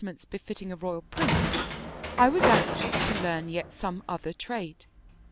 The King Who Made Mats befitting a royal prince, I was anxious to learn yet some other trade.